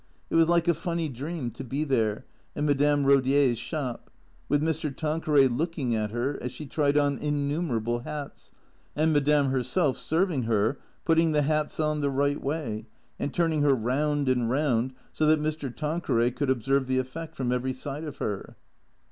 It was like a funny dream to be there, in Madame Rodier's shop, with Mr. Tanqueray looking at her as she tried on innumerable hats, and Madame herself, serving her, putting the hats on the right way, and turning her round and round so that Mr. Tan queray could observe the effect from every side of her.